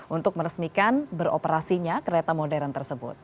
untuk meresmikan beroperasinya kereta modern tersebut